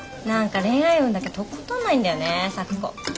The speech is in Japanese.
何か恋愛運だけとことんないんだよね咲子。